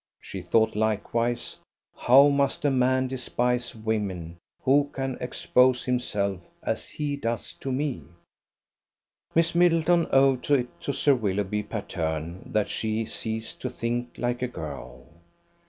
She thought likewise: how must a man despise women, who can expose himself as he does to me! Miss Middleton owed it to Sir Willoughby Patterne that she ceased to think like a girl.